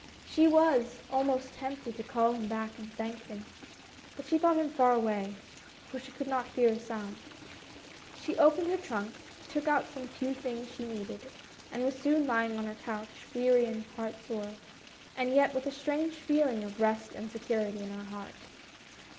She was almost tempted to call him back and thank him, but she thought him far away, for she could not hear a sound. She opened her trunk, took out some few things she needed, and was soon lying on her couch, weary and heart sore, and yet with a strange feeling of rest and security in her heart.